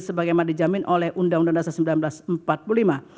sebagaimana dijamin oleh undang undang dasar seribu sembilan ratus empat puluh lima